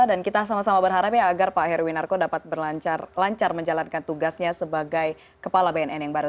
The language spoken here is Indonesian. dan kita sama sama berharap ya agar pak heruwinarko dapat lancar menjalankan tugasnya sebagai kepala bnn yang baru